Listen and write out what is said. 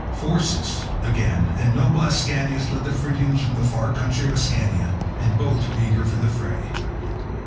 Phorcys, again, and noble Ascanius led the Phrygians from the far country of Ascania, and both were eager for the fray.